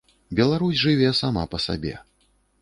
Беларусь жыве сама па сабе.